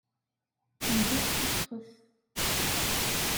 Ndiɣ tifxet.